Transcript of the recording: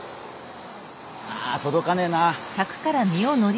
ああ届かねえなあ。